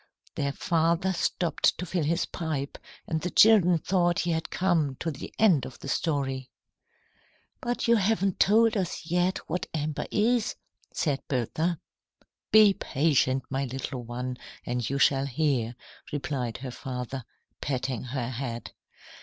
Their father stopped to fill his pipe, and the children thought he had come to the end of the story. "But you haven't told us yet what amber is," said Bertha. "Be patient, my little one, and you shall hear," replied her father, patting her head.